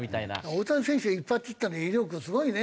大谷選手が一発打った威力すごいね。